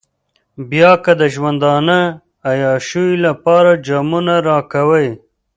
بيا که د ژوندانه عياشيو لپاره جامونه راکوئ.